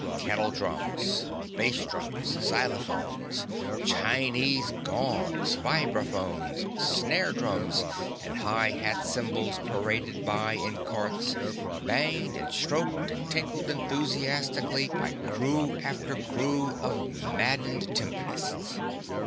Kettle drums, bass drums, xylophones, Chinese gongs, vibraphones, snare drums and high hat cymbals paraded by in carts, banged and stroked and tinkled enthusiastically by crew after crew of maddened tympanists.